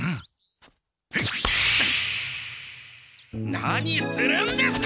何するんですか！？